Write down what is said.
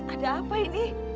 ada apa ini